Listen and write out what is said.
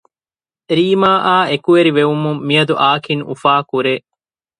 ރީމާ އާ އެކުވެރި ވެވުމުން މިއަދު އާކިން އުފާކުރޭ